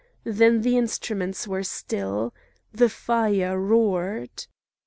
Then the instruments were still. The fire roared.